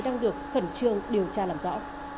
đang được khẩn trương điều tra làm rõ